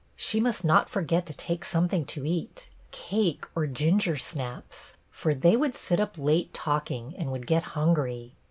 She must not forget to take something to eat, — cake or ginger snaps, for they would sit up late talking and would get hungry.